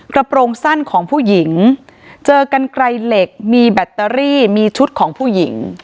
โปรสั้นของผู้หญิงเจอกันไกลเหล็กมีแบตเตอรี่มีชุดของผู้หญิง